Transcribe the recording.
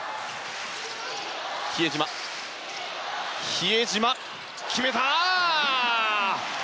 比江島、決めた！